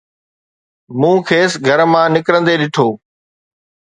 مون کيس گھر مان نڪرندي ڏٺو